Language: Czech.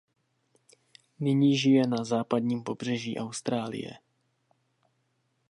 Nyní žije na západním pobřeží Austrálie.